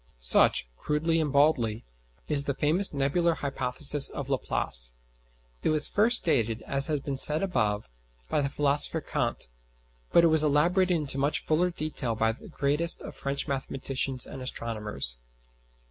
Such, crudely and baldly, is the famous nebular hypothesis of Laplace. It was first stated, as has been said above, by the philosopher Kant, but it was elaborated into much fuller detail by the greatest of French mathematicians and astronomers.